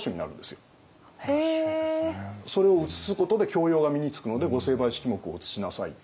それを写すことで教養が身につくので御成敗式目を写しなさいって。